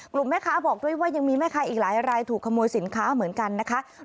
แม่ค้าบอกด้วยว่ายังมีแม่ค้าอีกหลายรายถูกขโมยสินค้าเหมือนกันนะคะ